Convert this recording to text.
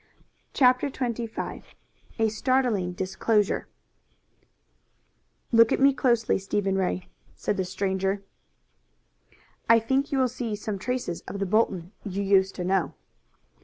CHAPTER XXV A STARTLING DISCLOSURE "Look at me closely, Stephen Ray," said the strange visitor. "I think you will see some traces of the Bolton you used to know."